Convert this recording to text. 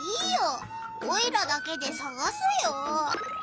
オイラだけでさがすよ。